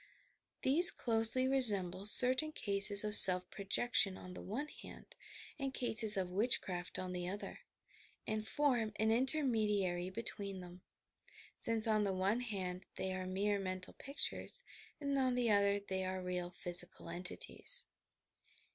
These closely resemble certain cases of self projection on the one hand and eases of witchcraft on the other, and form an intermediary be tween them, — since on the one hand they are mere mental pictures and on the other they are real physical entities.